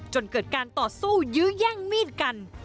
จนเกิดการต่อสู้ยื้อแย่งมีดกัน